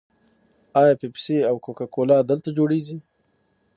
آیا پیپسي او کوکا کولا دلته جوړیږي؟